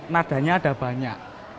nadanya ada banyak